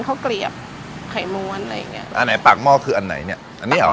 เกลียบไข่ม้วนอะไรอย่างเงี้ยอันไหนปากหม้อคืออันไหนเนี้ยอันนี้เหรอ